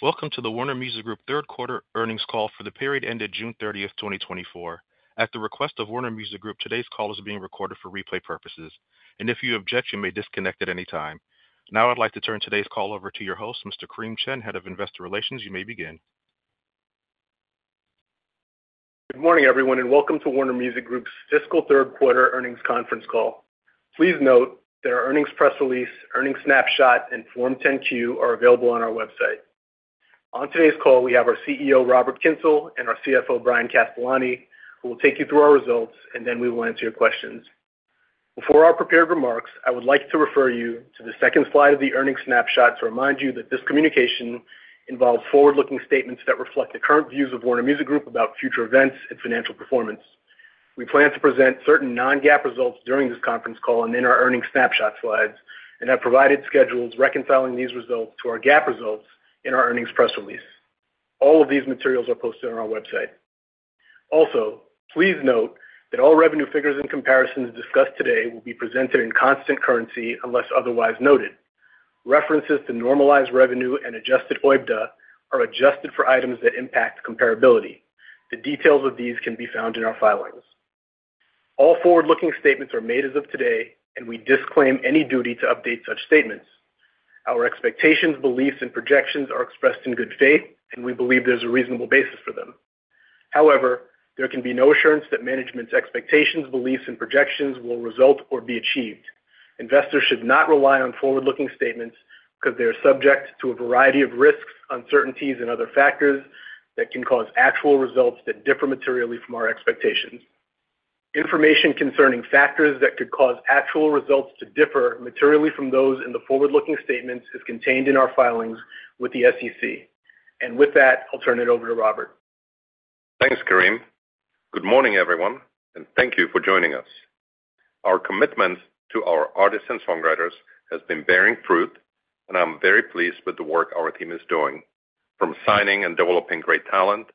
Welcome to the Warner Music Group third quarter earnings call for the period ended June 30, 2024. At the request of Warner Music Group, today's call is being recorded for replay purposes, and if you object, you may disconnect at any time. Now, I'd like to turn today's call over to your host, Mr. Kareem Chin, Head of Investor Relations. You may begin. Good morning, everyone, and welcome to Warner Music Group's fiscal third quarter earnings conference call. Please note that our earnings press release, earnings snapshot, and Form 10- Q are available on our website. On today's call, we have our CEO, Robert Kyncl, and our CFO, Bryan Castellani, who will take you through our results, and then we will answer your questions. Before our prepared remarks, I would like to refer you to the second slide of the earnings snapshot to remind you that this communication involves forward-looking statements that reflect the current views of Warner Music Group about future events and financial performance. We plan to present certain non-GAAP results during this conference call and in our earnings snapshot slides and have provided schedules reconciling these results to our GAAP results in our earnings press release. All of these materials are posted on our website. Also, please note that all revenue figures and comparisons discussed today will be presented in constant currency unless otherwise noted. References to normalized revenue and adjusted OIBDA are adjusted for items that impact comparability. The details of these can be found in our filings. All forward-looking statements are made as of today, and we disclaim any duty to update such statements. Our expectations, beliefs, and projections are expressed in good faith, and we believe there's a reasonable basis for them. However, there can be no assurance that management's expectations, beliefs, and projections will result or be achieved. Investors should not rely on forward-looking statements because they are subject to a variety of risks, uncertainties, and other factors that can cause actual results that differ materially from our expectations. Information concerning factors that could cause actual results to differ materially from those in the forward-looking statements is contained in our filings with the SEC. With that, I'll turn it over to Robert. Thanks, Kareem. Good morning, everyone, and thank you for joining us. Our commitment to our artists and songwriters has been bearing fruit, and I'm very pleased with the work our team is doing, from signing and developing great talent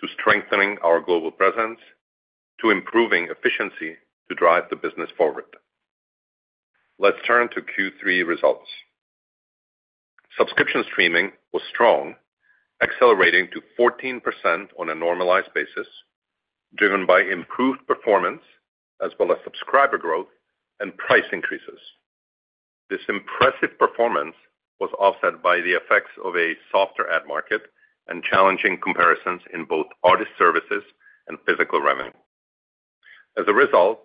to strengthening our global presence to improving efficiency to drive the business forward. Let's turn to Q3 results. Subscription streaming was strong, accelerating to 14% on a normalized basis, driven by improved performance as well as subscriber growth and price increases. This impressive performance was offset by the effects of a softer ad market and challenging comparisons in both artist services and physical revenue. As a result,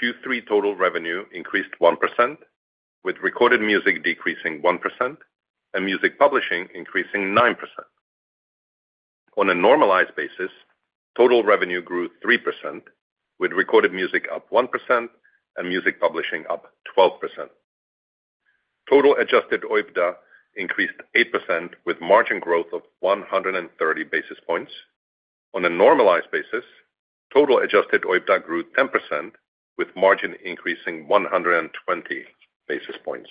Q3 total revenue increased 1%, with recorded music decreasing 1% and music publishing increasing 9%. On a normalized basis, total revenue grew 3%, with recorded music up 1% and music publishing up 12%. Total adjusted OIBDA increased 8%, with margin growth of 130 basis points. On a normalized basis, total adjusted OIBDA grew 10%, with margin increasing 120 basis points.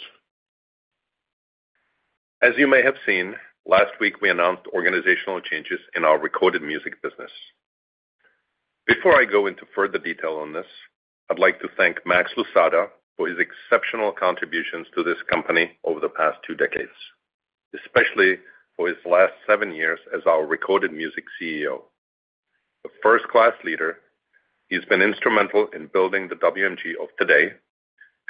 As you may have seen, last week we announced organizational changes in our recorded music business. Before I go into further detail on this, I'd like to thank Max Lousada for his exceptional contributions to this company over the past two decades, especially for his last seven years as our Recorded Music CEO. A first-class leader, he's been instrumental in building the WMG of today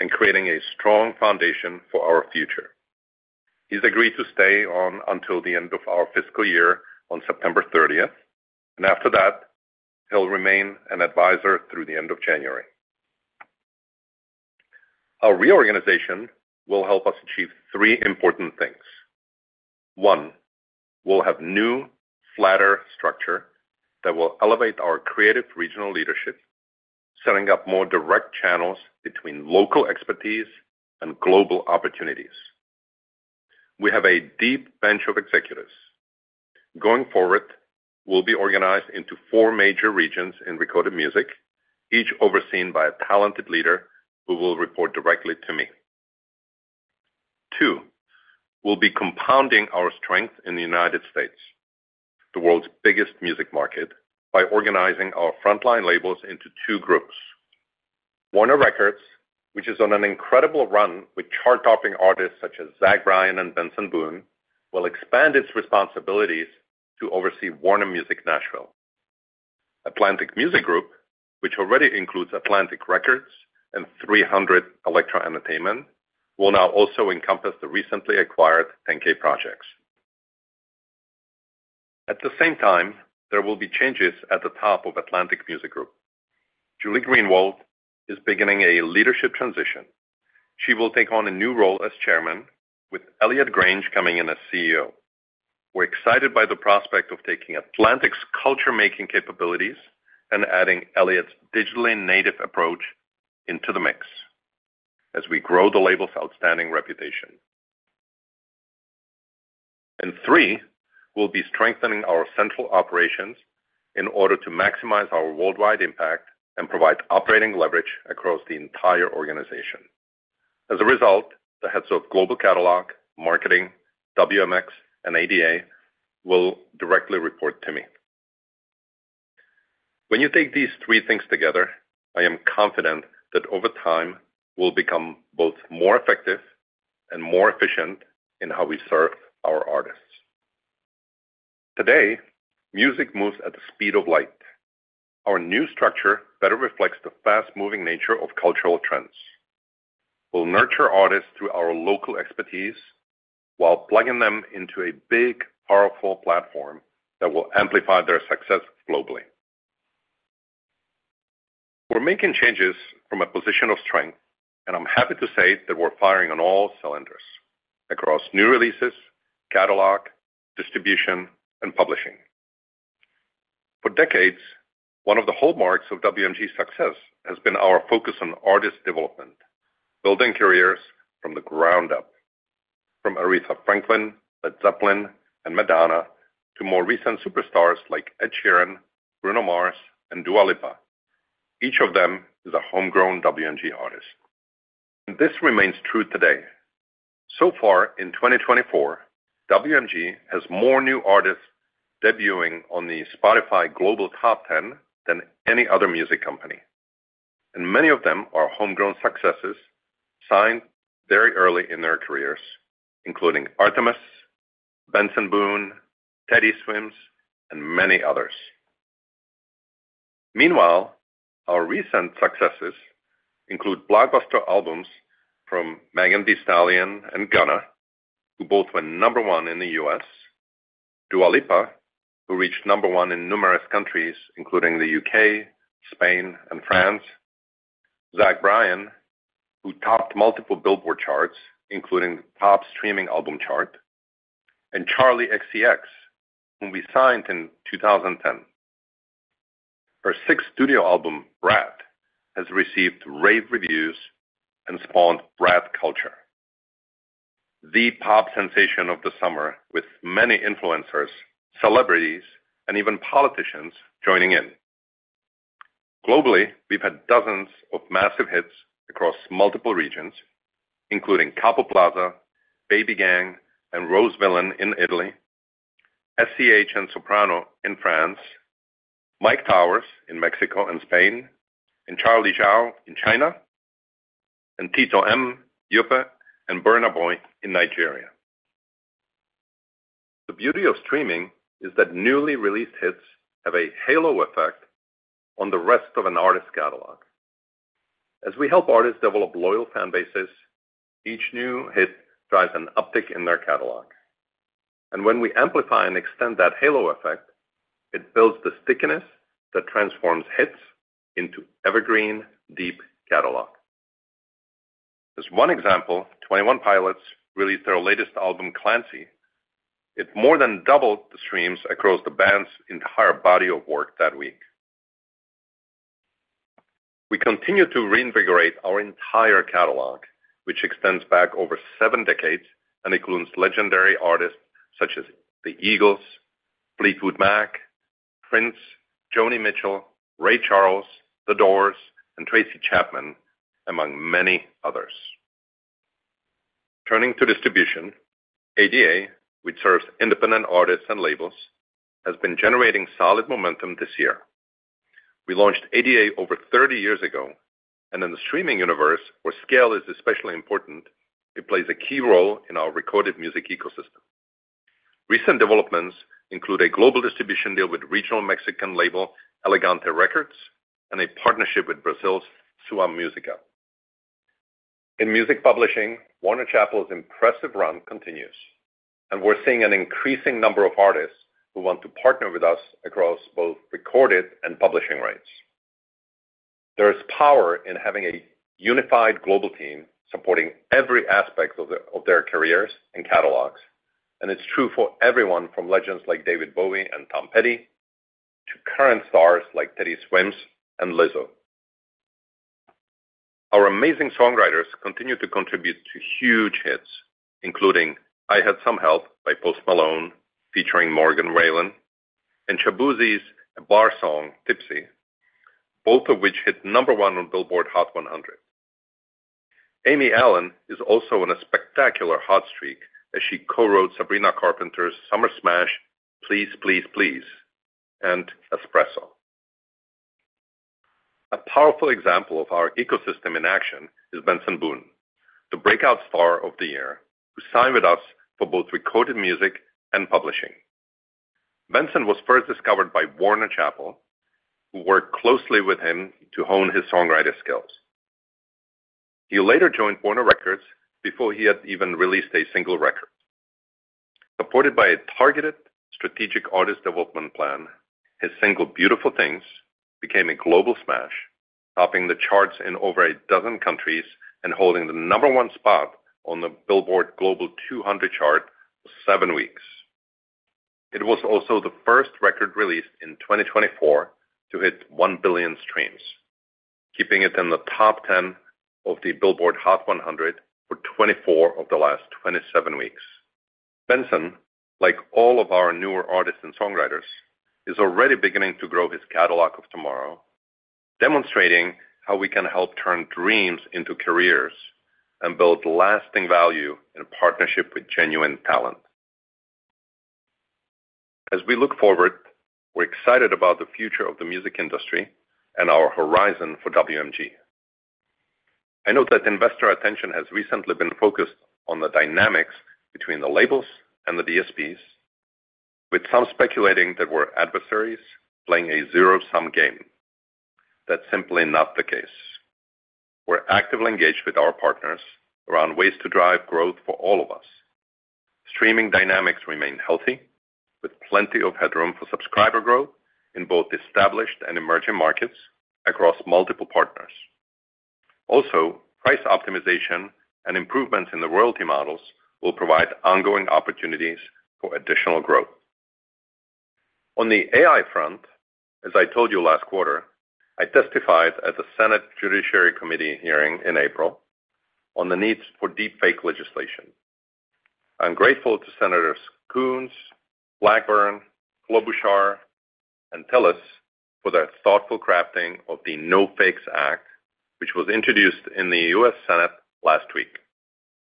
and creating a strong foundation for our future. He's agreed to stay on until the end of our fiscal year on September 30, and after that, he'll remain an advisor through the end of January. Our reorganization will help us achieve three important things. One, we'll have new flatter structure that will elevate our creative regional leadership, setting up more direct channels between local expertise and global opportunities. We have a deep bench of executives. Going forward, we'll be organized into four major regions in recorded music, each overseen by a talented leader who will report directly to me. Two, we'll be compounding our strength in the United States, the world's biggest music market, by organizing our frontline labels into two groups. Warner Records, which is on an incredible run with chart-topping artists such as Zach Bryan and Benson Boone, will expand its responsibilities to oversee Warner Music Nashville. Atlantic Music Group, which already includes Atlantic Records and 300 Elektra Entertainment, will now also encompass the recently acquired 10K Projects. At the same time, there will be changes at the top of Atlantic Music Group. Julie Greenwald is beginning a leadership transition. She will take on a new role as chairman, with Elliot Grainge coming in as CEO. We're excited by the prospect of taking Atlantic's culture-making capabilities and adding Elliot's digitally native approach into the mix as we grow the label's outstanding reputation. And three, we'll be strengthening our central operations in order to maximize our worldwide impact and provide operating leverage across the entire organization. As a result, the heads of Global Catalog, Marketing, WMX, and ADA will directly report to me. When you take these three things together, I am confident that over time, we'll become both more effective and more efficient in how we serve our artists. Today, music moves at the speed of light. Our new structure better reflects the fast-moving nature of cultural trends. We'll nurture artists through our local expertise while plugging them into a big, powerful platform that will amplify their success globally. We're making changes from a position of strength, and I'm happy to say that we're firing on all cylinders across new releases, catalog, distribution, and publishing. For decades, one of the hallmarks of WMG's success has been our focus on artist development, building careers from the ground up, from Aretha Franklin, Led Zeppelin, and Madonna to more recent superstars like Ed Sheeran, Bruno Mars, and Dua Lipa. Each of them is a homegrown WMG artist. This remains true today. So far, in 2024, WMG has more new artists debuting on the Spotify Global Top 10 than any other music company. Many of them are homegrown successes signed very early in their careers, including Artemas, Benson Boone, Teddy Swims, and many others. Meanwhile, our recent successes include blockbuster albums from Megan Thee Stallion and Gunna, who both went number one in the U.S., Dua Lipa, who reached number one in numerous countries, including the U.K., Spain, and France, Zach Bryan, who topped multiple Billboard charts, including the Top Streaming Album chart, and Charli XCX, whom we signed in 2010. Her sixth studio album, Brat, has received rave reviews and spawned Brat culture, the pop sensation of the summer, with many influencers, celebrities, and even politicians joining in. Globally, we've had dozens of massive hits across multiple regions, including Capo Plaza, Baby Gang, and Rose Villain in Italy, SCH and Soprano in France, Myke Towers in Mexico and Spain, and Charlie Zhou in China, and TitoM, Yuppe, and Burna Boy in Nigeria. The beauty of streaming is that newly released hits have a halo effect on the rest of an artist's catalog. As we help artists develop loyal fan bases, each new hit drives an uptick in their catalog. When we amplify and extend that halo effect, it builds the stickiness that transforms hits into evergreen, deep catalog. As one example, Twenty One Pilots released their latest album, Clancy. It more than doubled the streams across the band's entire body of work that week. We continue to reinvigorate our entire catalog, which extends back over seven decades and includes legendary artists such as The Eagles, Fleetwood Mac, Prince, Joni Mitchell, Ray Charles, The Doors, and Tracy Chapman, among many others. Turning to distribution, ADA, which serves independent artists and labels, has been generating solid momentum this year. We launched ADA over 30 years ago, and in the streaming universe, where scale is especially important, it plays a key role in our recorded music ecosystem. Recent developments include a global distribution deal with regional Mexican label Elegante Records, and a partnership with Brazil's Sua Música. In music publishing, Warner Chappell's impressive run continues, and we're seeing an increasing number of artists who want to partner with us across both recorded and publishing rights. There is power in having a unified global team supporting every aspect of their careers and catalogs, and it's true for everyone from legends like David Bowie and Tom Petty to current stars like Teddy Swims and Lizzo. Our amazing songwriters continue to contribute to huge hits, including I Had Some Help by Post Malone, featuring Morgan Wallen, and Shaboozey's A Bar Song (Tipsy), both of which hit number one on Billboard Hot 100. Amy Allen is also on a spectacular hot streak as she co-wrote Sabrina Carpenter's summer smash, Please Please Please, and Espresso. A powerful example of our ecosystem in action is Benson Boone, the breakout star of the year, who signed with us for both recorded music and publishing. Benson was first discovered by Warner Chappell, who worked closely with him to hone his songwriter skills. He later joined Warner Records before he had even released a single record. Supported by a targeted strategic artist development plan, his single Beautiful Things became a global smash, topping the charts in over a dozen countries and holding the number one spot on the Billboard Global 200 chart for seven weeks. It was also the first record released in 2024 to hit 1 billion streams, keeping it in the top 10 of the Billboard Hot 100 for 24 of the last 27 weeks. Benson, like all of our newer artists and songwriters, is already beginning to grow his catalog of tomorrow, demonstrating how we can help turn dreams into careers and build lasting value in partnership with genuine talent. As we look forward, we're excited about the future of the music industry and our horizon for WMG. I note that investor attention has recently been focused on the dynamics between the labels and the DSPs, with some speculating that we're adversaries playing a zero-sum game. That's simply not the case. We're actively engaged with our partners around ways to drive growth for all of us. Streaming dynamics remain healthy, with plenty of headroom for subscriber growth in both established and emerging markets across multiple partners. Also, price optimization and improvements in the royalty models will provide ongoing opportunities for additional growth. On the AI front, as I told you last quarter, I testified at the Senate Judiciary Committee hearing in April on the needs for deepfake legislation. I'm grateful to Senators Coons, Blackburn, Klobuchar, and Tillis for their thoughtful crafting of the NO FAKES Act, which was introduced in the U.S. Senate last week.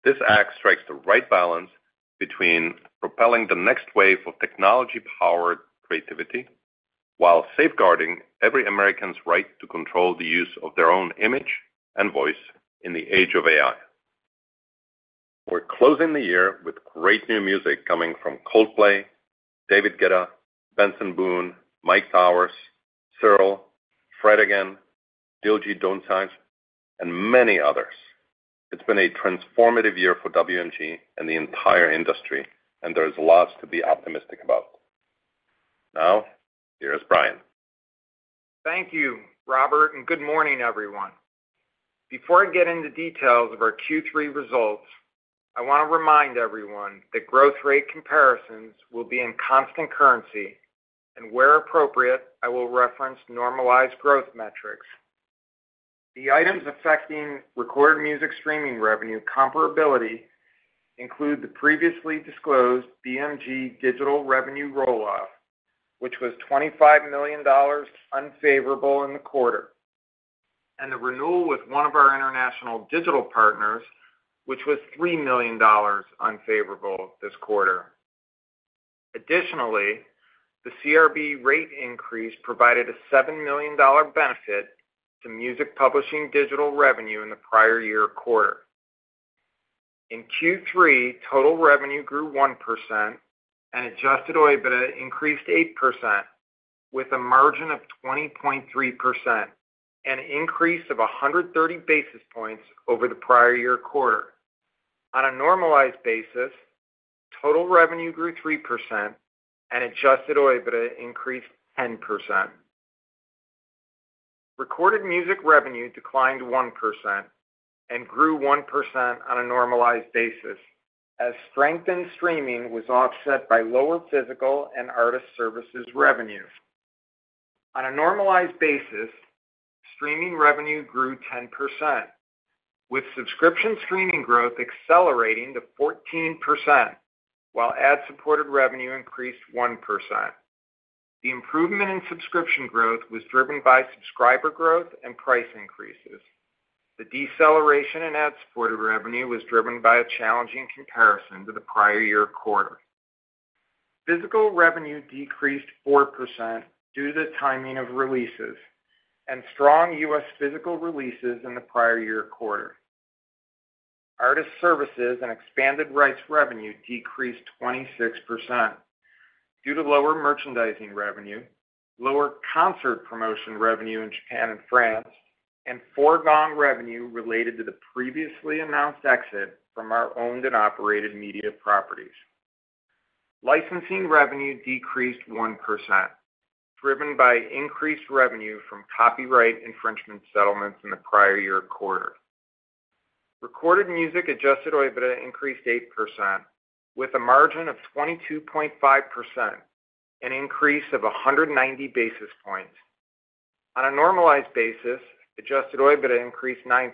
This act strikes the right balance between propelling the next wave of technology-powered creativity while safeguarding every American's right to control the use of their own image and voice in the age of AI. We're closing the year with great new music coming from Coldplay, David Guetta, Benson Boone, Myke Towers, Cyril, Fred again.., Diljit Dosanjh, and many others. It's been a transformative year for WMG and the entire industry, and there is lots to be optimistic about. Now, here is Bryan. Thank you, Robert, and good morning, everyone. Before I get into details of our Q3 results, I want to remind everyone that growth rate comparisons will be in constant currency, and where appropriate, I will reference normalized growth metrics. The items affecting recorded music streaming revenue comparability include the previously disclosed BMG digital revenue roll-off, which was $25 million unfavorable in the quarter, and the renewal with one of our international digital partners, which was $3 million unfavorable this quarter. Additionally, the CRB rate increase provided a $7 million benefit to music publishing digital revenue in the prior year quarter. In Q3, total revenue grew 1%, and adjusted OIBDA increased 8%, with a margin of 20.3%, an increase of 130 basis points over the prior year quarter. On a normalized basis, total revenue grew 3%, and adjusted OIBDA increased 10%. Recorded Music revenue declined 1% and grew 1% on a normalized basis, as strengthened streaming was offset by lower physical and Artist Services revenue. On a normalized basis, streaming revenue grew 10%, with subscription streaming growth accelerating to 14%, while ad-supported revenue increased 1%. The improvement in subscription growth was driven by subscriber growth and price increases. The deceleration in ad-supported revenue was driven by a challenging comparison to the prior year quarter. Physical revenue decreased 4% due to the timing of releases and strong U.S. physical releases in the prior year quarter. Artist Services and expanded rights revenue decreased 26% due to lower merchandising revenue, lower concert promotion revenue in Japan and France, and foregone revenue related to the previously announced exit from our owned and operated media properties. Licensing revenue decreased 1%, driven by increased revenue from copyright infringement settlements in the prior year quarter. Recorded music adjusted OIBDA increased 8%, with a margin of 22.5%, an increase of 190 basis points. On a normalized basis, adjusted OIBDA increased 9%,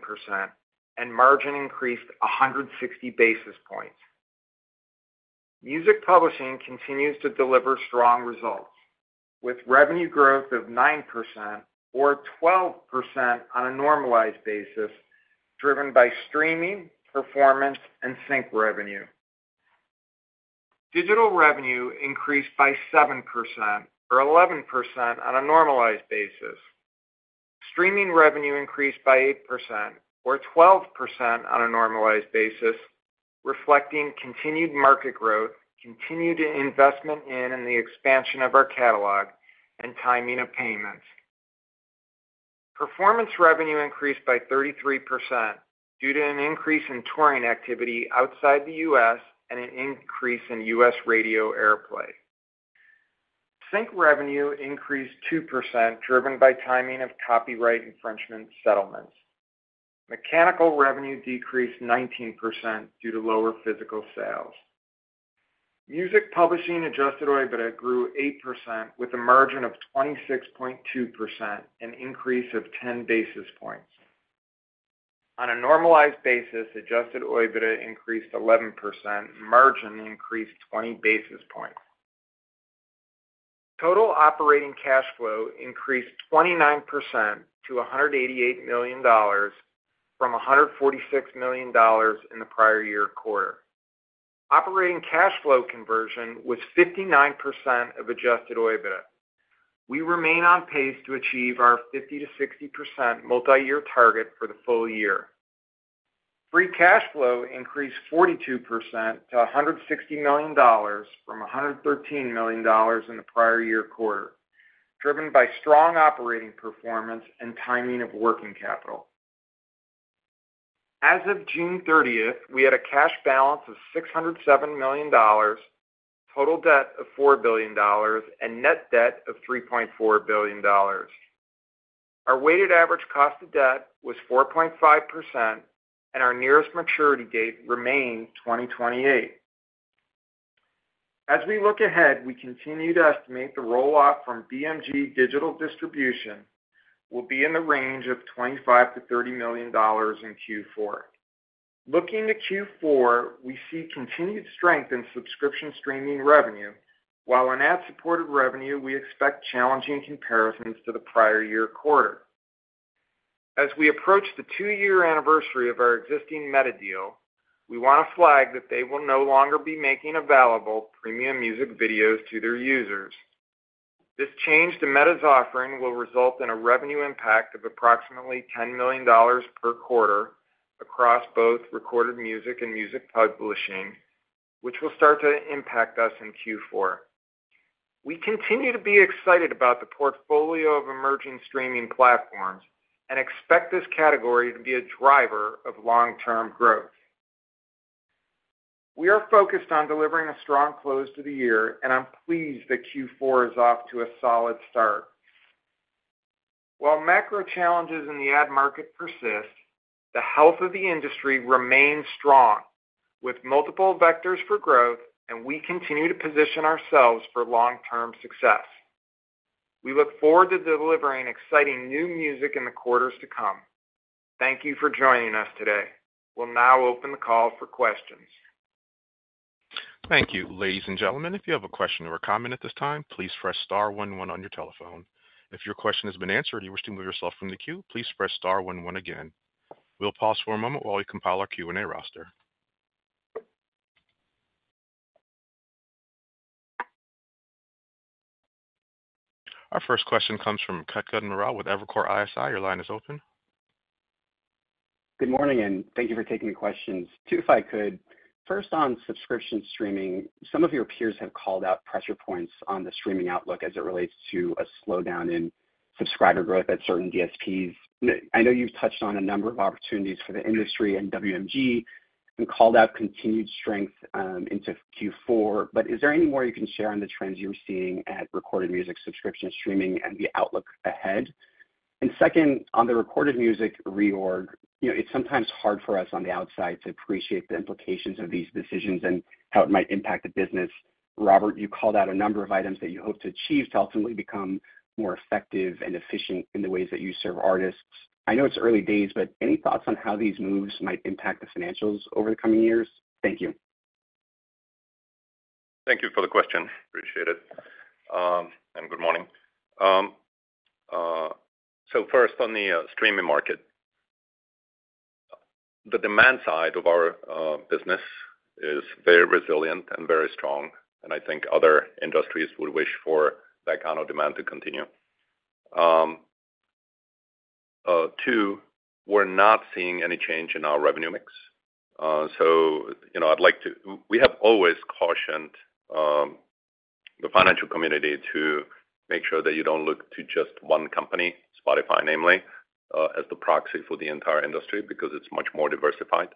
and margin increased 160 basis points. Music publishing continues to deliver strong results, with revenue growth of 9% or 12% on a normalized basis, driven by streaming, performance, and sync revenue. Digital revenue increased by 7% or 11% on a normalized basis. Streaming revenue increased by 8% or 12% on a normalized basis, reflecting continued market growth, continued investment in and the expansion of our catalog, and timing of payments. Performance revenue increased by 33% due to an increase in touring activity outside the U.S. and an increase in U.S. radio airplay. Sync revenue increased 2%, driven by timing of copyright infringement settlements. Mechanical revenue decreased 19% due to lower physical sales. Music publishing adjusted OIBDA grew 8%, with a margin of 26.2%, an increase of 10 basis points. On a normalized basis, adjusted OIBDA increased 11%, margin increased 20 basis points. Total operating cash flow increased 29% to $188 million from $146 million in the prior year quarter. Operating cash flow conversion was 59% of adjusted OIBDA. We remain on pace to achieve our 50%-60% multi-year target for the full year. Free cash flow increased 42% to $160 million from $113 million in the prior year quarter, driven by strong operating performance and timing of working capital. As of June 30th, we had a cash balance of $607 million, total debt of $4 billion, and net debt of $3.4 billion. Our weighted average cost of debt was 4.5%, and our nearest maturity date remained 2028. As we look ahead, we continue to estimate the roll-off from BMG digital distribution will be in the range of $25 million-$30 million in Q4. Looking to Q4, we see continued strength in subscription streaming revenue, while in ad-supported revenue, we expect challenging comparisons to the prior year quarter. As we approach the two-year anniversary of our existing Meta deal, we want to flag that they will no longer be making available premium music videos to their users. This change to Meta's offering will result in a revenue impact of approximately $10 million per quarter across both recorded music and music publishing, which will start to impact us in Q4. We continue to be excited about the portfolio of emerging streaming platforms and expect this category to be a driver of long-term growth. We are focused on delivering a strong close to the year, and I'm pleased that Q4 is off to a solid start. While macro challenges in the ad market persist, the health of the industry remains strong, with multiple vectors for growth, and we continue to position ourselves for long-term success. We look forward to delivering exciting new music in the quarters to come. Thank you for joining us today. We'll now open the call for questions. Thank you. Ladies and gentlemen, if you have a question or a comment at this time, please press star one one on your telephone. If your question has been answered and you wish to move yourself from the queue, please press star one one again. We'll pause for a moment while we compile our Q&A roster. Our first question comes from Kutgun Maral with Evercore ISI. Your line is open. Good morning, and thank you for taking the questions. Two, if I could. First, on subscription streaming, some of your peers have called out pressure points on the streaming outlook as it relates to a slowdown in subscriber growth at certain DSPs. I know you've touched on a number of opportunities for the industry and WMG and called out continued strength into Q4, but is there any more you can share on the trends you're seeing at recorded music subscription streaming and the outlook ahead? And second, on the recorded music reorg, it's sometimes hard for us on the outside to appreciate the implications of these decisions and how it might impact the business. Robert, you called out a number of items that you hope to achieve to ultimately become more effective and efficient in the ways that you serve artists. I know it's early days, but any thoughts on how these moves might impact the financials over the coming years? Thank you. Thank you for the question. Appreciate it. And good morning. So first, on the streaming market, the demand side of our business is very resilient and very strong, and I think other industries would wish for that kind of demand to continue. Two, we're not seeing any change in our revenue mix. So I'd like to, we have always cautioned the financial community to make sure that you don't look to just one company, Spotify namely, as the proxy for the entire industry because it's much more diversified,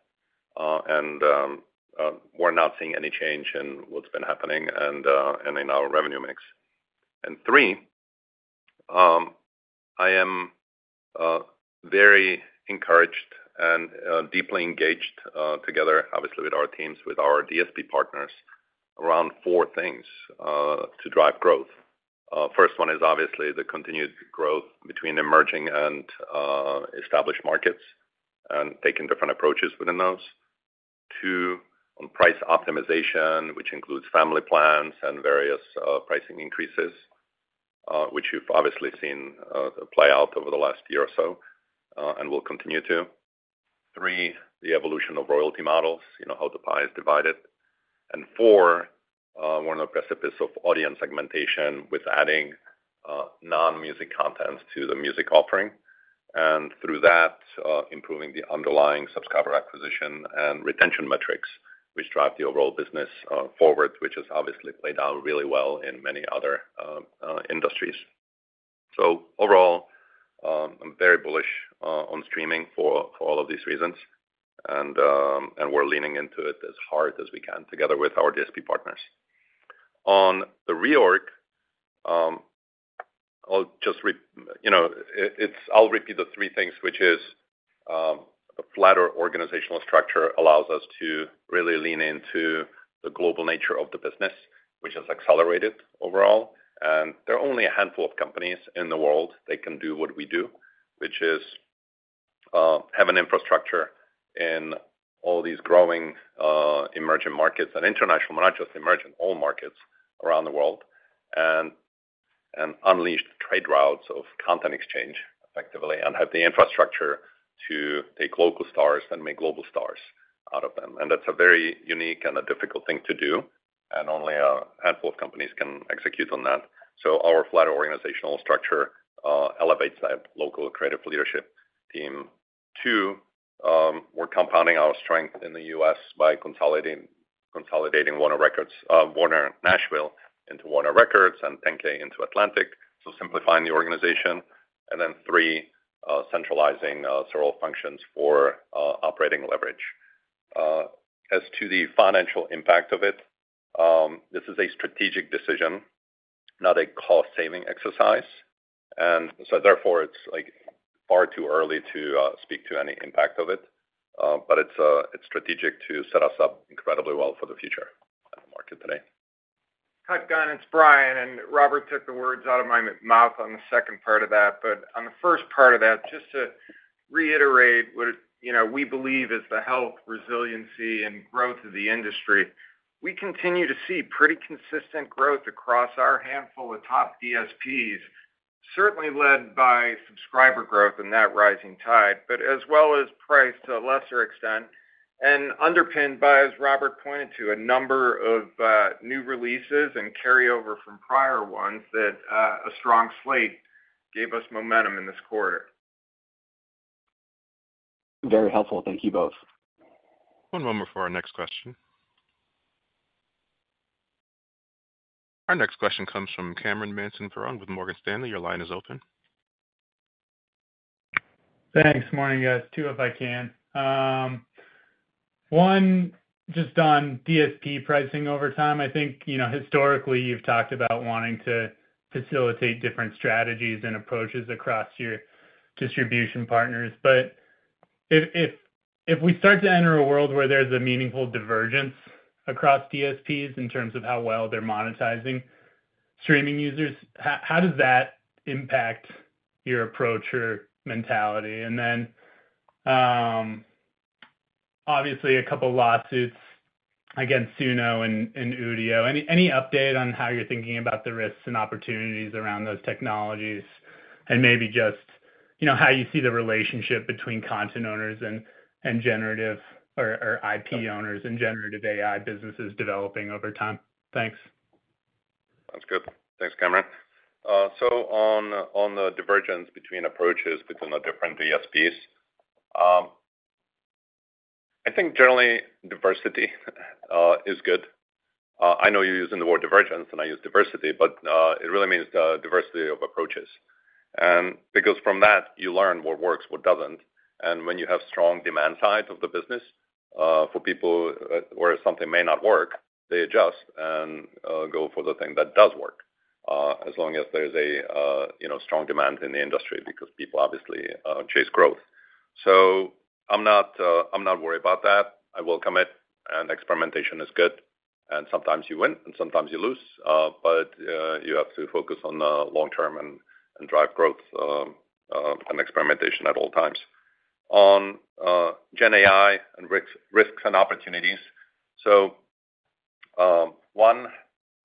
and we're not seeing any change in what's been happening and in our revenue mix. And three, I am very encouraged and deeply engaged together, obviously, with our teams, with our DSP partners, around four things to drive growth. First one is obviously the continued growth between emerging and established markets and taking different approaches within those. Two, on price optimization, which includes family plans and various pricing increases, which you've obviously seen play out over the last year or so and will continue to. Three, the evolution of royalty models, how the pie is divided. And four, we're on the precipice of audience segmentation with adding non-music content to the music offering and through that, improving the underlying subscriber acquisition and retention metrics, which drive the overall business forward, which has obviously played out really well in many other industries. So overall, I'm very bullish on streaming for all of these reasons, and we're leaning into it as hard as we can together with our DSP partners. On the reorg, I'll just repeat the three things, which is the flatter organizational structure allows us to really lean into the global nature of the business, which has accelerated overall. There are only a handful of companies in the world that can do what we do, which is have an infrastructure in all these growing emerging markets and international, but not just emerging, all markets around the world, and unleash trade routes of content exchange effectively and have the infrastructure to take local stars and make global stars out of them. That's a very unique and a difficult thing to do, and only a handful of companies can execute on that. Our flatter organizational structure elevates that local creative leadership team. Two, we're compounding our strength in the U.S. by consolidating Warner Records, Warner Nashville into Warner Records and 10K into Atlantic, so simplifying the organization. And then three, centralizing several functions for operating leverage. As to the financial impact of it, this is a strategic decision, not a cost-saving exercise. And so therefore, it's far too early to speak to any impact of it, but it's strategic to set us up incredibly well for the future and the market today. Kutgun, it's Bryan, and Robert took the words out of my mouth on the second part of that. But on the first part of that, just to reiterate what we believe is the health, resiliency, and growth of the industry, we continue to see pretty consistent growth across our handful of top DSPs, certainly led by subscriber growth and that rising tide, but as well as price to a lesser extent, and underpinned by, as Robert pointed to, a number of new releases and carryover from prior ones that a strong slate gave us momentum in this quarter. Very helpful. Thank you both. One moment for our next question. Our next question comes from Cameron Mansson-Perrone with Morgan Stanley. Your line is open. Thanks. Morning, guys. Two, if I can. One, just on DSP pricing over time. I think historically, you've talked about wanting to facilitate different strategies and approaches across your distribution partners. But if we start to enter a world where there's a meaningful divergence across DSPs in terms of how well they're monetizing streaming users, how does that impact your approach or mentality? And then, obviously, a couple of lawsuits against Suno and Udio. Any update on how you're thinking about the risks and opportunities around those technologies and maybe just how you see the relationship between content owners and generative or IP owners and generative AI businesses developing over time? Thanks. Sounds good. Thanks, Cameron. So on the divergence between approaches between the different DSPs, I think generally diversity is good. I know you're using the word divergence, and I use diversity, but it really means the diversity of approaches. And because from that, you learn what works, what doesn't. And when you have strong demand side of the business for people where something may not work, they adjust and go for the thing that does work as long as there's a strong demand in the industry because people obviously chase growth. So I'm not worried about that. I welcome it, and experimentation is good. And sometimes you win, and sometimes you lose, but you have to focus on the long term and drive growth and experimentation at all times. On GenAI and risks and opportunities, so one,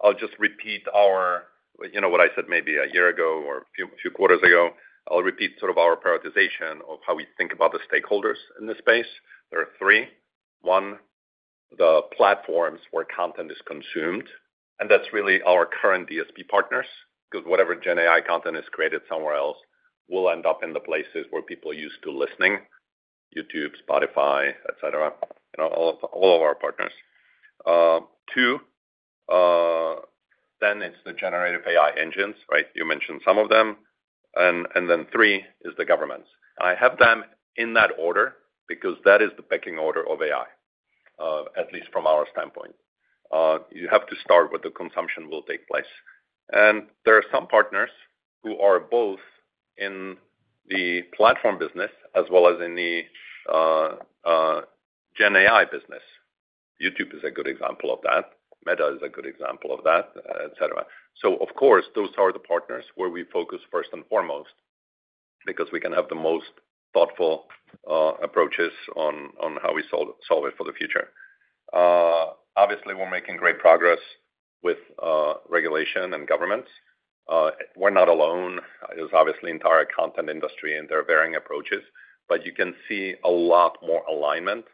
I'll just repeat what I said maybe a year ago or a few quarters ago. I'll repeat sort of our prioritization of how we think about the stakeholders in this space. There are three. One, the platforms where content is consumed, and that's really our current DSP partners because whatever GenAI content is created somewhere else will end up in the places where people are used to listening: YouTube, Spotify, etc., all of our partners. Two, then it's the generative AI engines, right? You mentioned some of them. And then three is the governments. I have them in that order because that is the pecking order of AI, at least from our standpoint. You have to start with the consumption will take place. And there are some partners who are both in the platform business as well as in the GenAI business. YouTube is a good example of that. Meta is a good example of that, etc. So, of course, those are the partners where we focus first and foremost because we can have the most thoughtful approaches on how we solve it for the future. Obviously, we're making great progress with regulation and governments. We're not alone. There's obviously the entire content industry and their varying approaches, but you can see a lot more alignment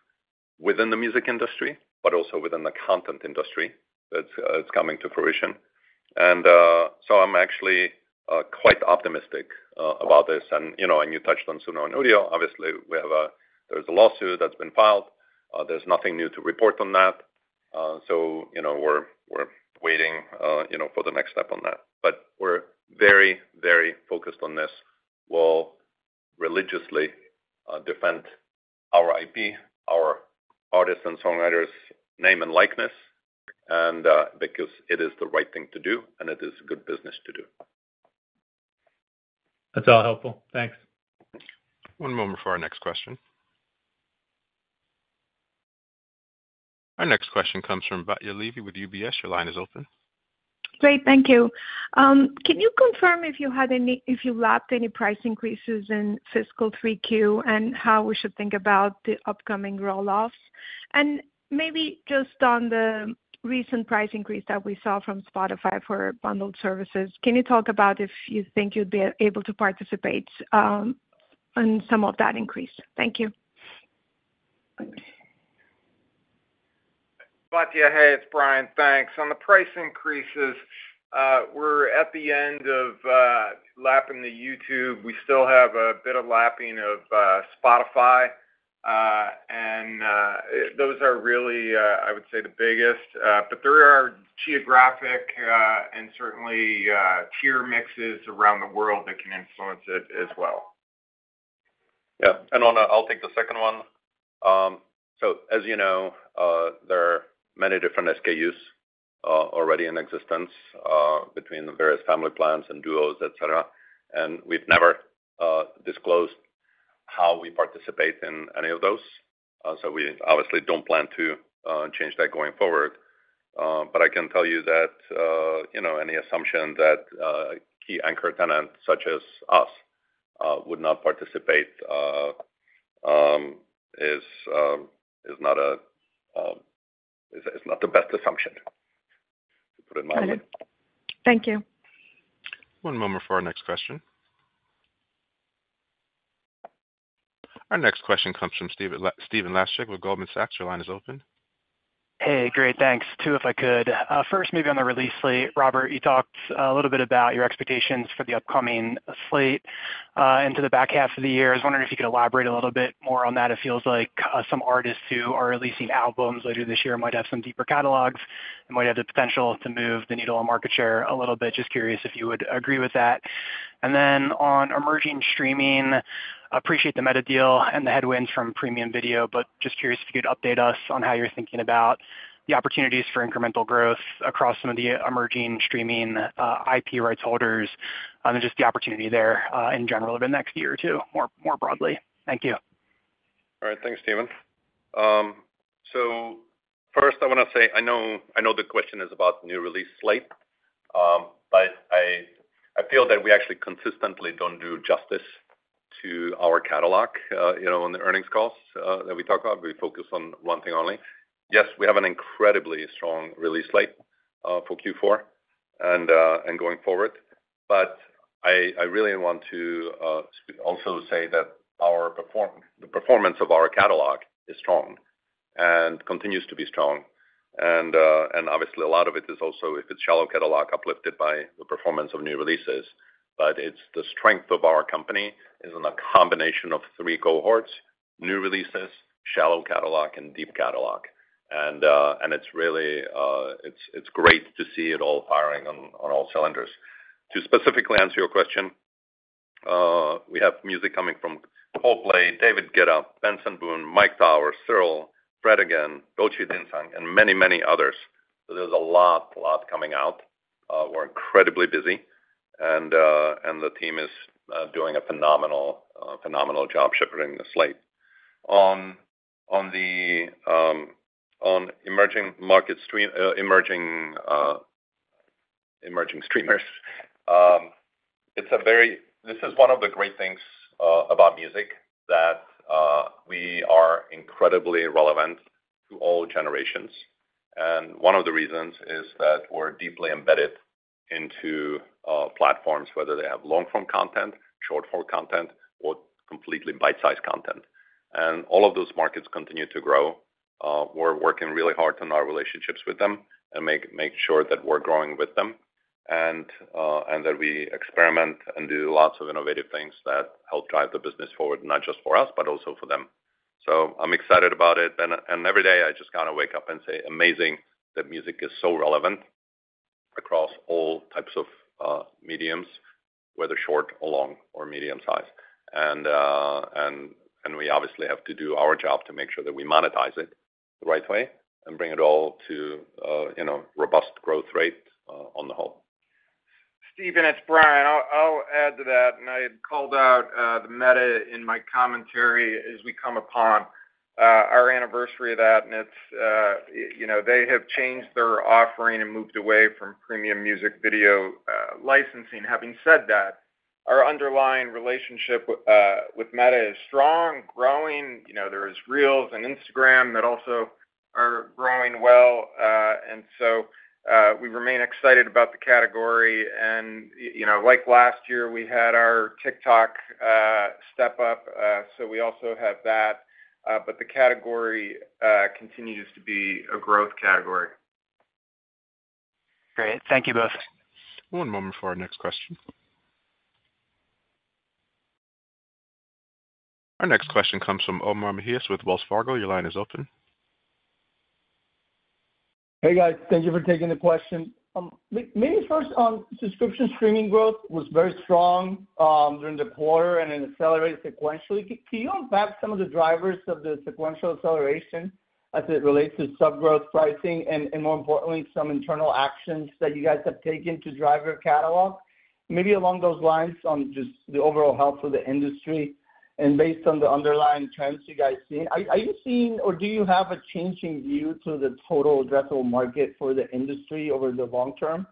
within the music industry, but also within the content industry that's coming to fruition. And so I'm actually quite optimistic about this. And you touched on Suno and Udio. Obviously, there's a lawsuit that's been filed. There's nothing new to report on that. So we're waiting for the next step on that. But we're very, very focused on this. We'll religiously defend our IP, our artists and songwriters' name and likeness because it is the right thing to do, and it is good business to do. That's all helpful. Thanks. One moment for our next question. Our next question comes from Batya Levi with UBS. Your line is open. Great. Thank you. Can you confirm if you had any—if you lapped any price increases in fiscal three Q and how we should think about the upcoming rolloffs? And maybe just on the recent price increase that we saw from Spotify for bundled services, can you talk about if you think you'd be able to participate in some of that increase? Thank you. Batya, hey, it's Bryan. Thanks. On the price increases, we're at the end of lapping the YouTube. We still have a bit of lapping of Spotify, and those are really, I would say, the biggest. But there are geographic and certainly tier mixes around the world that can influence it as well. Yeah. And I'll take the second one. So, as you know, there are many different SKUs already in existence between the various family plans and duos, etc. And we've never disclosed how we participate in any of those. So we obviously don't plan to change that going forward. But I can tell you that any assumption that key anchor tenants such as us would not participate is not the best assumption, to put it mildly. Thank you. One moment for our next question. Our next question comes from Stephen Laszczyk with Goldman Sachs. Your line is open. Hey, great. Thanks. Two, if I could. First, maybe on the release slate, Robert, you talked a little bit about your expectations for the upcoming slate into the back half of the year. I was wondering if you could elaborate a little bit more on that. It feels like some artists who are releasing albums later this year might have some deeper catalogs and might have the potential to move the needle on market share a little bit. Just curious if you would agree with that. And then on emerging streaming, appreciate the Meta deal and the headwinds from Premium Video, but just curious if you could update us on how you're thinking about the opportunities for incremental growth across some of the emerging streaming IP rights holders and just the opportunity there in general over the next year or two, more broadly. Thank you. All right. Thanks, Stephen. So first, I want to say I know the question is about the new release slate, but I feel that we actually consistently don't do justice to our catalog on the earnings calls that we talk about. We focus on one thing only. Yes, we have an incredibly strong release slate for Q4 and going forward. But I really want to also say that the performance of our catalog is strong and continues to be strong. And obviously, a lot of it is also if it's shallow catalog, uplifted by the performance of new releases. But it's the strength of our company is in a combination of three cohorts: new releases, shallow catalog, and deep catalog. And it's great to see it all firing on all cylinders. To specifically answer your question, we have music coming from Coldplay, David Guetta, Benson Boone, Myke Towers, Cyril, Fred again.., Diljit Dosanjh, and many, many others. So there's a lot, a lot coming out. We're incredibly busy, and the team is doing a phenomenal job shipping the slate. On emerging streamers, this is one of the great things about music that we are incredibly relevant to all generations. One of the reasons is that we're deeply embedded into platforms, whether they have long-form content, short-form content, or completely bite-sized content. All of those markets continue to grow. We're working really hard on our relationships with them and make sure that we're growing with them and that we experiment and do lots of innovative things that help drive the business forward, not just for us, but also for them. I'm excited about it. Every day, I just kind of wake up and say, "Amazing that music is so relevant across all types of mediums, whether short, long, or medium size." We obviously have to do our job to make sure that we monetize it the right way and bring it all to a robust growth rate on the whole. Stephen, it's Bryan. I'll add to that. I had called out the Meta in my commentary as we come upon our anniversary of that. They have changed their offering and moved away from premium music video licensing. Having said that, our underlying relationship with Meta is strong, growing. There are Reels and Instagram that also are growing well. We remain excited about the category. Like last year, we had our TikTok step up. So we also have that. But the category continues to be a growth category. Great. Thank you both. One moment for our next question. Our next question comes from Omar Mejias with Wells Fargo. Your line is open. Hey, guys. Thank you for taking the question. Maybe first, on subscription streaming growth was very strong during the quarter and then accelerated sequentially. Can you unpack some of the drivers of the sequential acceleration as it relates to subgrowth pricing and, more importantly, some internal actions that you guys have taken to drive your catalog? Maybe along those lines on just the overall health of the industry and based on the underlying trends you guys seen. Are you seeing or do you have a changing view to the total addressable market for the industry over the long term?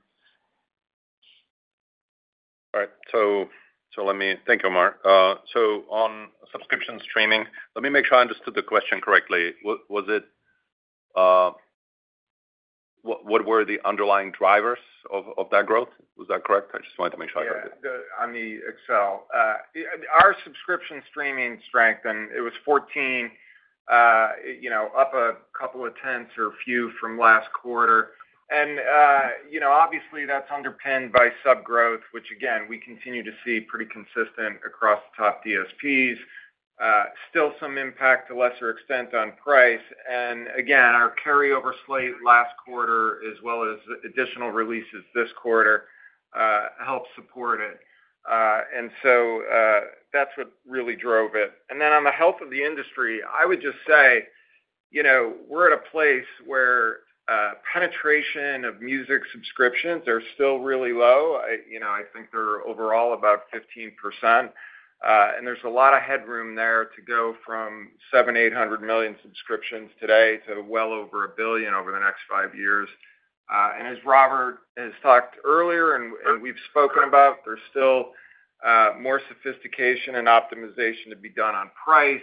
All right. So let me thank you, Omar. So on subscription streaming, let me make sure I understood the question correctly. What were the underlying drivers of that growth? Was that correct? I just wanted to make sure I got it. Yeah, on the Excel. Our subscription streaming strength, and it was 14, up a couple of tenths or few from last quarter. Obviously, that's underpinned by subgrowth, which, again, we continue to see pretty consistent across the top DSPs. Still some impact to lesser extent on price. Again, our carryover slate last quarter, as well as additional releases this quarter, helped support it. So that's what really drove it. Then on the health of the industry, I would just say we're at a place where penetration of music subscriptions are still really low. I think they're overall about 15%. There's a lot of headroom there to go from 7,800 million subscriptions today to well over a billion over the next five years. As Robert has talked earlier and we've spoken about, there's still more sophistication and optimization to be done on price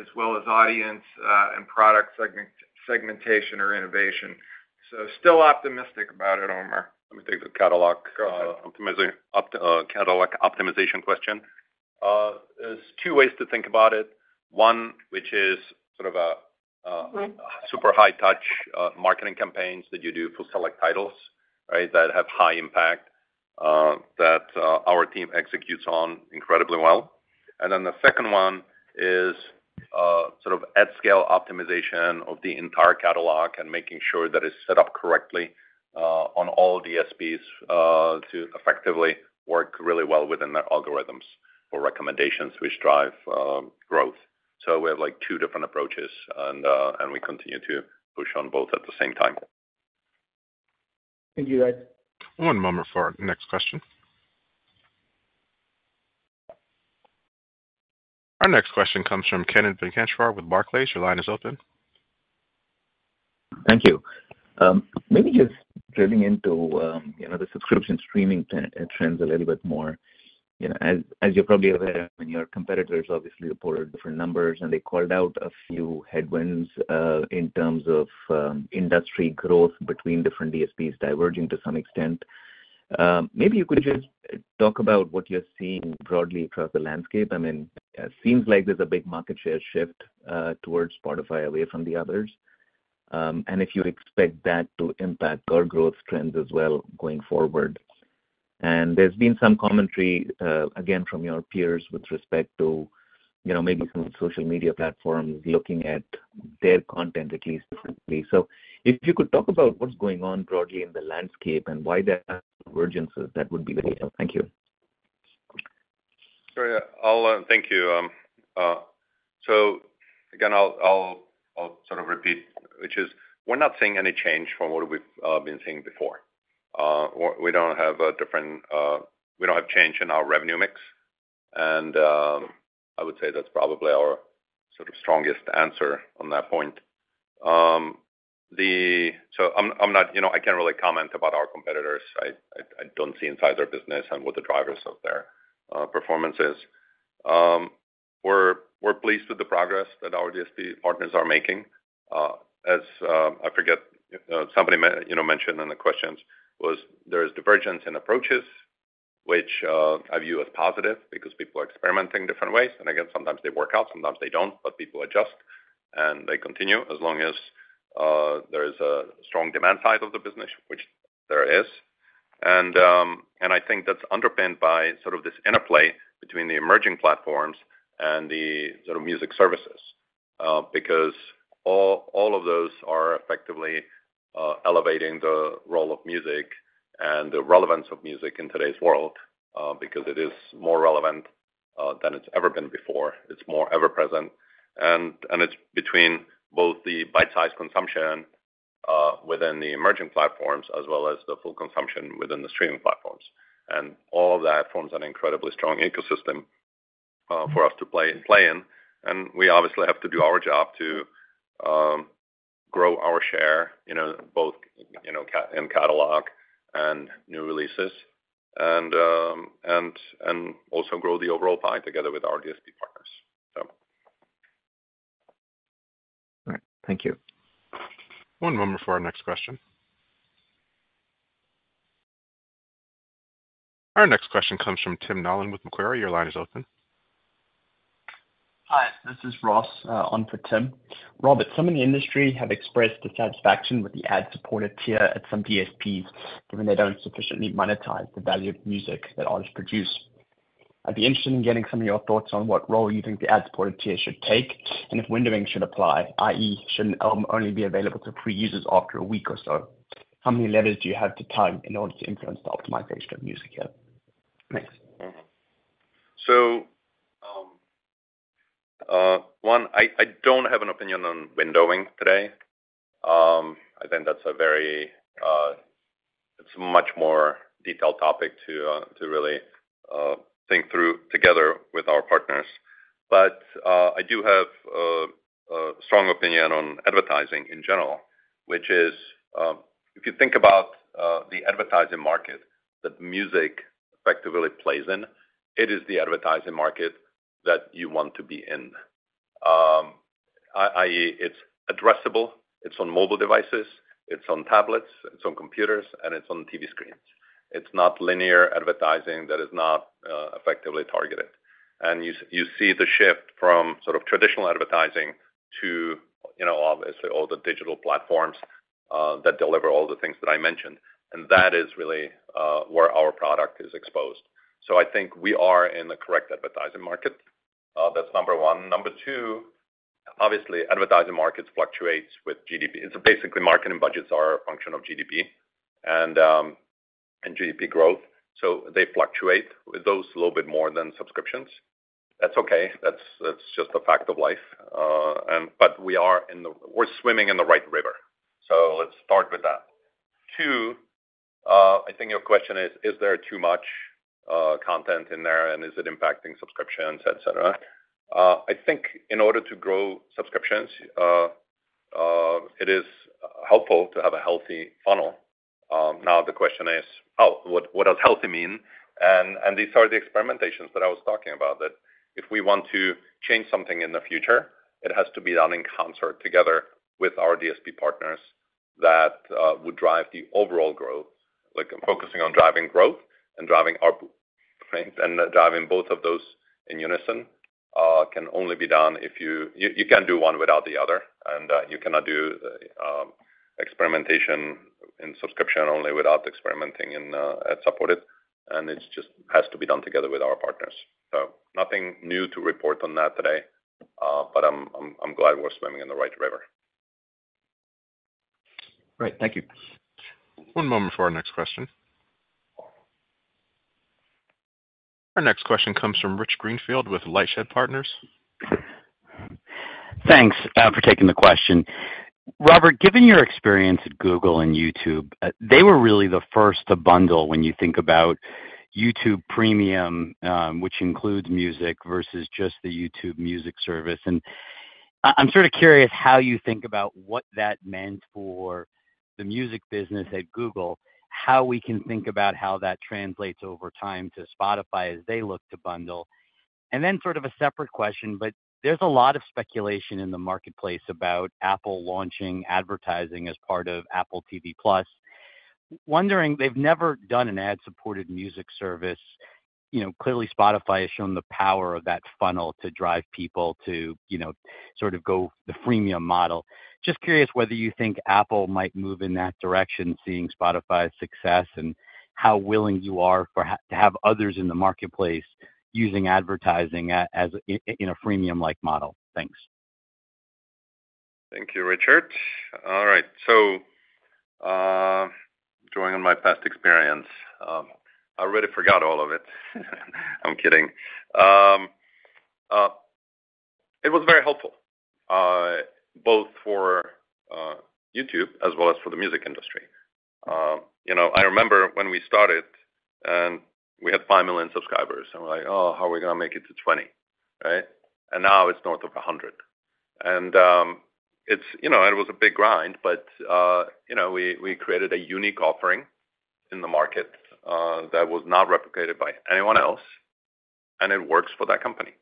as well as audience and product segmentation or innovation. So still optimistic about it, Omar. Let me take the catalog optimization question. There's two ways to think about it. One, which is sort of super high-touch marketing campaigns that you do for select titles, right, that have high impact that our team executes on incredibly well. And then the second one is sort of at-scale optimization of the entire catalog and making sure that it's set up correctly on all DSPs to effectively work really well within their algorithms for recommendations which drive growth. So we have two different approaches, and we continue to push on both at the same time. Thank you, guys. One moment for our next question. Our next question comes from Kannan Venkateshwar with Barclays. Your line is open. Thank you. Maybe just drilling into the subscription streaming trends a little bit more. As you're probably aware, your competitors obviously reported different numbers, and they called out a few headwinds in terms of industry growth between different DSPs diverging to some extent. Maybe you could just talk about what you're seeing broadly across the landscape. I mean, it seems like there's a big market share shift towards Spotify away from the others. And if you expect that to impact our growth trends as well going forward. And there's been some commentary, again, from your peers with respect to maybe some social media platforms looking at their content at least differently. So if you could talk about what's going on broadly in the landscape and why that divergence is, that would be very helpful. Thank you. Sorry, I'll thank you. So again, I'll sort of repeat, which is we're not seeing any change from what we've been seeing before. We don't have a different change in our revenue mix. And I would say that's probably our sort of strongest answer on that point. So I can't really comment about our competitors. I don't see inside their business and what the drivers of their performance is. We're pleased with the progress that our DSP partners are making. As I recall, somebody mentioned in the questions that there is divergence in approaches, which I view as positive because people are experimenting different ways. And again, sometimes they work out, sometimes they don't, but people adjust and they continue as long as there is a strong demand side of the business, which there is. I think that's underpinned by sort of this interplay between the emerging platforms and the sort of music services because all of those are effectively elevating the role of music and the relevance of music in today's world because it is more relevant than it's ever been before. It's more ever-present. It's between both the bite-sized consumption within the emerging platforms as well as the full consumption within the streaming platforms. All of that forms an incredibly strong ecosystem for us to play in. We obviously have to do our job to grow our share both in catalog and new releases and also grow the overall pie together with our DSP partners, so. All right. Thank you. One moment for our next question. Our next question comes from Tim Nollen with Macquarie. Your line is open. Hi. This is Ross on for Tim. Robert, some in the industry have expressed dissatisfaction with the ad-supported tier at some DSPs given they don't sufficiently monetize the value of music that others produce. I'd be interested in getting some of your thoughts on what role you think the ad-supported tier should take and if windowing should apply, i.e., shouldn't only be available to free users after a week or so. How many levers do you have to tug in order to influence the optimization of music here? Thanks. So one, I don't have an opinion on windowing today. I think that's a very it's a much more detailed topic to really think through together with our partners. But I do have a strong opinion on advertising in general, which is if you think about the advertising market that music effectively plays in, it is the advertising market that you want to be in. I.e., it's addressable. It's on mobile devices. It's on tablets. It's on computers. And it's on TV screens. It's not linear advertising that is not effectively targeted. And you see the shift from sort of traditional advertising to, obviously, all the digital platforms that deliver all the things that I mentioned. And that is really where our product is exposed. So I think we are in the correct advertising market. That's number one. Number two, obviously, advertising markets fluctuate with GDP. It's basically marketing budgets are a function of GDP and GDP growth. So they fluctuate. Those a little bit more than subscriptions. That's okay. That's just a fact of life. But we're swimming in the right river. So let's start with that. Two, I think your question is, is there too much content in there and is it impacting subscriptions, etc.? I think in order to grow subscriptions, it is helpful to have a healthy funnel. Now, the question is, oh, what does healthy mean? And these are the experimentations that I was talking about that if we want to change something in the future, it has to be done in concert together with our DSP partners that would drive the overall growth. Focusing on driving growth and driving our and driving both of those in unison can only be done if you can't do one without the other. And you cannot do experimentation in subscription only without experimenting in ad-supported. And it just has to be done together with our partners. So nothing new to report on that today. But I'm glad we're swimming in the right river. Great. Thank you. One moment for our next question. Our next question comes from Rich Greenfield with LightShed Partners. Thanks for taking the question. Robert, given your experience at Google and YouTube, they were really the first to bundle when you think about YouTube Premium, which includes music versus just the YouTube Music Service. And I'm sort of curious how you think about what that meant for the music business at Google, how we can think about how that translates over time to Spotify as they look to bundle. And then sort of a separate question, but there's a lot of speculation in the marketplace about Apple launching advertising as part of Apple TV+. Wondering, they've never done an ad-supported music service. Clearly, Spotify has shown the power of that funnel to drive people to sort of go the freemium model. Just curious whether you think Apple might move in that direction, seeing Spotify's success and how willing you are to have others in the marketplace using advertising in a freemium-like model. Thanks. Thank you, Richard. All right. So drawing on my past experience, I really forgot all of it. I'm kidding. It was very helpful both for YouTube as well as for the music industry. I remember when we started and we had 5 million subscribers. And we're like, "Oh, how are we going to make it to 20?" Right? And now it's north of 100. And it was a big grind, but we created a unique offering in the market that was not replicated by anyone else. And it works for that company.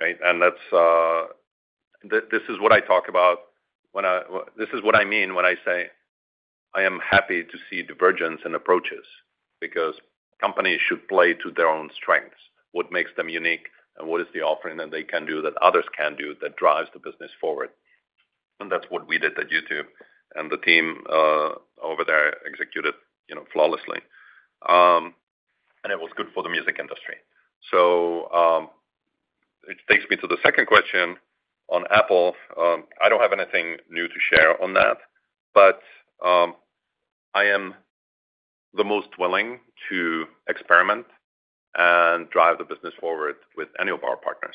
Right? And this is what I talk about. This is what I mean when I say I am happy to see divergence in approaches because companies should play to their own strengths. What makes them unique and what is the offering that they can do that others can do that drives the business forward? And that's what we did at YouTube. And the team over there executed flawlessly. And it was good for the music industry. So it takes me to the second question on Apple. I don't have anything new to share on that, but I am the most willing to experiment and drive the business forward with any of our partners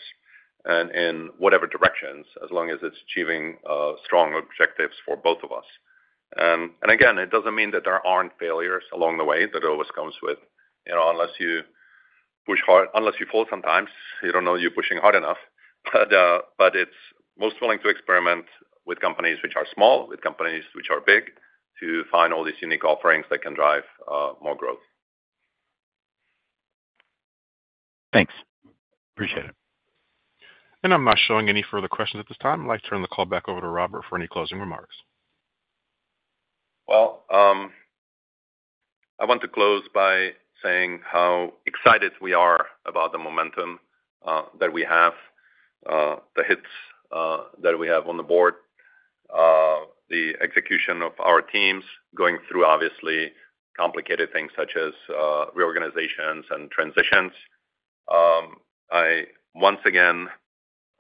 and in whatever directions as long as it's achieving strong objectives for both of us. And again, it doesn't mean that there aren't failures along the way that it always comes with unless you push hard unless you fall sometimes. You don't know you're pushing hard enough. But it's most willing to experiment with companies which are small, with companies which are big to find all these unique offerings that can drive more growth. Thanks. Appreciate it. I'm not showing any further questions at this time. I'd like to turn the call back over to Robert for any closing remarks. Well, I want to close by saying how excited we are about the momentum that we have, the hits that we have on the board, the execution of our teams going through, obviously, complicated things such as reorganizations and transitions. I once again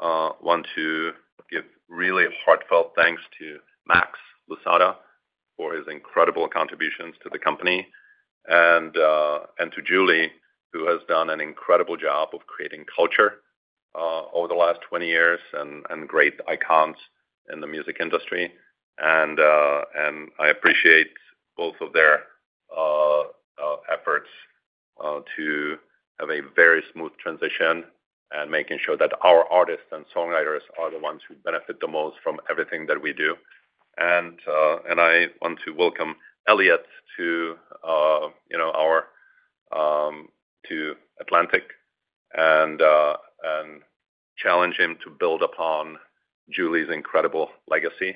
want to give really heartfelt thanks to Max Lousada for his incredible contributions to the company and to Julie, who has done an incredible job of creating culture over the last 20 years and great icons in the music industry. I appreciate both of their efforts to have a very smooth transition and making sure that our artists and songwriters are the ones who benefit the most from everything that we do. I want to welcome Elliot to our Atlantic and challenge him to build upon Julie's incredible legacy,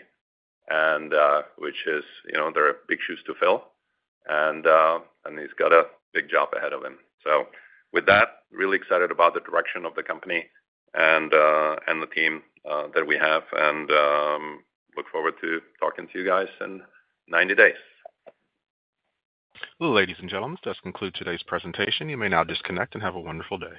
which is, there are big shoes to fill. He's got a big job ahead of him. With that, really excited about the direction of the company and the team that we have and look forward to talking to you guys in 90 days. Well, ladies and gentlemen, let's conclude today's presentation. You may now disconnect and have a wonderful day.